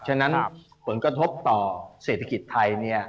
ฉะนั้นผลกระทบต่อเศรษฐกิจไทย